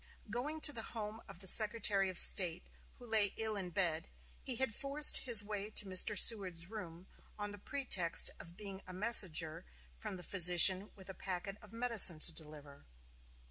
Going to the home of the Secretary of State, who lay ill in bed, he had forced his way to Mr. Seward's room, on the pretext of being a messenger from the physician with a packet of medicine to deliver.